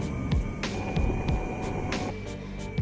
pembangunan komunikasi jakarta